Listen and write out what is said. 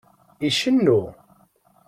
Icennu.